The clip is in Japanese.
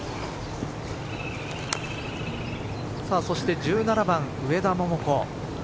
そして１７番、上田桃子。